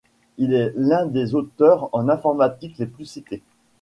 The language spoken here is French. Il est l'un des auteurs en informatique les plus cités.